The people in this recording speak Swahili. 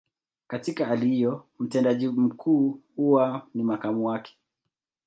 Katika hali hiyo, mtendaji mkuu huwa ni makamu wake.